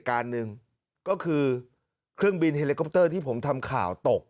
ก็คือเครื่องบินเฮเล็กอปเตอร์ที่ผมทำข่าวตก